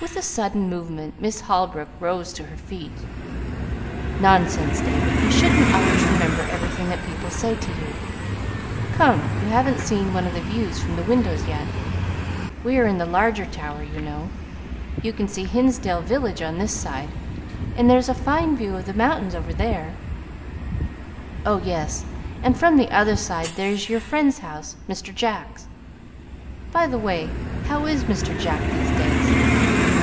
With a sudden movement Miss Holbrook rose to her feet. "Nonsense, David! You shouldn't always remember everything that people say to you. Come, you haven't seen one of the views from the windows yet. We are in the larger tower, you know. You can see Hinsdale village on this side, and there's a fine view of the mountains over there. Oh yes, and from the other side there's your friend's house Mr. Jack's. By the way, how is Mr. Jack these days?"